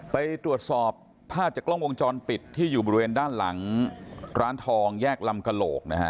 ไปตรวจสอบภาพจากกล้องวงจรปิดที่อยู่บริเวณด้านหลังร้านทองแยกลำกระโหลกนะฮะ